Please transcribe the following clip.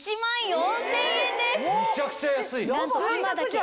めちゃくちゃ安い！